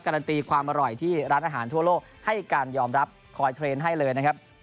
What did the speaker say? ันตีความอร่อยที่ร้านอาหารทั่วโลกให้การยอมรับคอยเทรนด์ให้เลยนะครับ